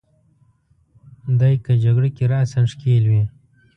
دای که جګړه کې راساً ښکېل وي.